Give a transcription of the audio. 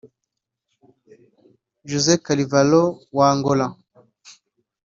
Jose Carvalho wa Angola